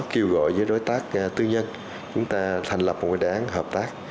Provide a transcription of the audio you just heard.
kêu gọi với đối tác tư nhân chúng ta thành lập một đề án hợp tác